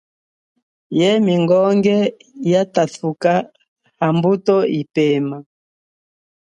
Ye mingongi iyi tatuka haminde ni mbuto yipema.